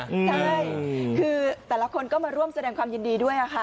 ใช่คือแต่ละคนก็มาร่วมแสดงความยินดีด้วยค่ะ